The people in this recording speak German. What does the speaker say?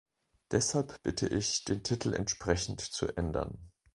Deshalb bitte ich, den Titel entsprechend zu ändern.